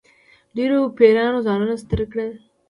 ډېرو پیرانو ځانونه ستړي کړل.